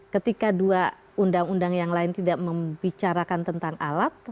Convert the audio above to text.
ketika dua undang undang yang lain tidak membicarakan tentang alat